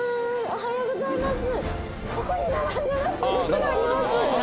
おはようございます